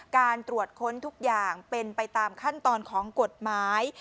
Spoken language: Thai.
การตรวจค้นทุกอย่างเป็นไปตามขั้นตอนของกฎหมาย